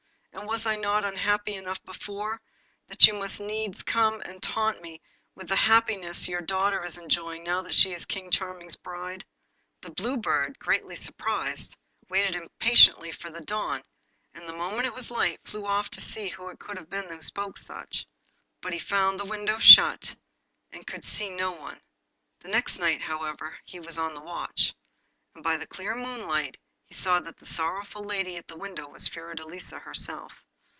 And was I not unhappy enough before, that you must needs come and taunt me with the happiness your daughter is enjoying now she is King Charming's bride?' The Blue Bird, greatly surprised, waited impatiently for the dawn, and the moment it was light flew off to see who it could have been who spoke thus. But he found the window shut, and could see no one. The next night, however, he was on the watch, and by the clear moonlight he saw that the sorrowful lady at the window was Fiordelisa herself.